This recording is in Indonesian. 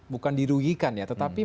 bukan dirugikan ya tetapi